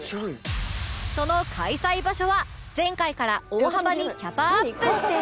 その開催場所は前回から大幅にキャパアップして